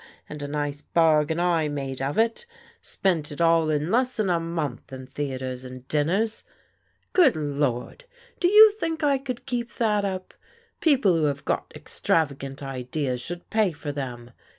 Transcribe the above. And a nice bargain I made of it Spent it all in less than a month in the atres and dinners. Good Lord, do you think I could keep that up? People who have got extravagant ideas should pay for them.